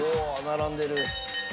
並んでる。